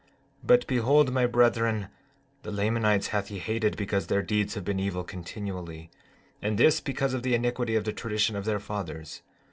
15:4 But behold my brethren, the Lamanites hath he hated because their deeds have been evil continually, and this because of the iniquity of the tradition of their fathers.